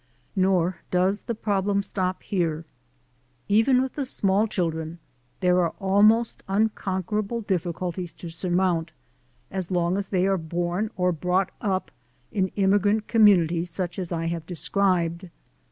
Nor does the problem stop here. Even with the small children, there are almost unconquerable diffi culties to surmount as long as they are born or brought up in immigrant communities such as I have described.